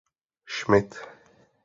Schmidt.